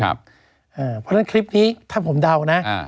เพราะฉะนั้นคลิปนี้ถ้าผมเดานะ